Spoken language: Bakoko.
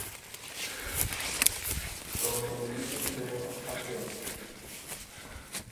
Ɔg nyɛɛ liyi ŋlɛɛ a Nkɛmbɛ.